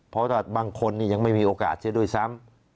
เพราะถ้าบางคนยังไม่มีโอกาสเสียด้วยซ้ำ